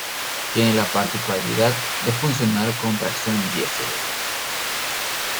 Tiene la particularidad de funcionar con tracción diesel.